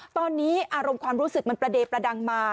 ตอนนี้อารมณ์ความรู้สึกมันประเดประดังมา